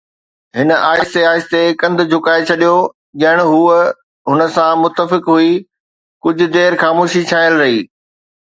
هن آهستي آهستي ڪنڌ جهڪائي ڇڏيو. ڄڻ هوءَ هن سان متفق هئي. ڪجهه دير خاموشي ڇانيل رهي